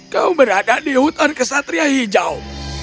kau berada di hutan kesatria hijau